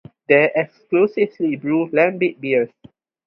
They exclusively brew lambic beers.